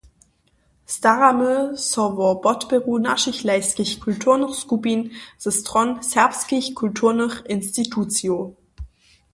Staramy so wo podpěru našich lajskich kulturnych skupin ze stron serbskich kulturnych institucijow.